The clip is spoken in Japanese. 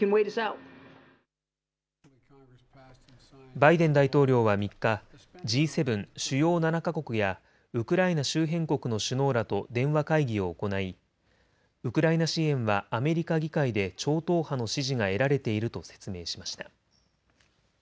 バイデン大統領は３日、Ｇ７・主要７か国やウクライナ周辺国の首脳らと電話会議を行いウクライナ支援はアメリカ議会で超党派の支持が得られていると説明しました。